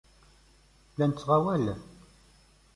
La nettɣawal?